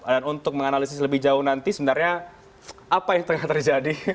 dan untuk menganalisis lebih jauh nanti sebenarnya apa yang tengah terjadi